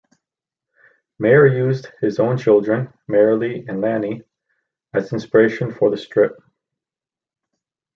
Mayer used his own children, Merrily and Lanney, as inspiration for the strip.